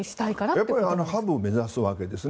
やっぱりハブを目指すわけですね。